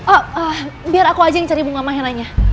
oh biar aku aja yang cari bunga maharanya